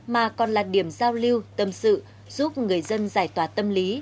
mà còn là điểm giao lưu tâm sự giúp người dân giải tỏa tâm lý